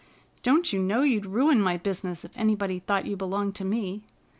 Don't you know you'd ruin my business if anybody thought you belonged to me?